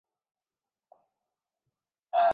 دنیا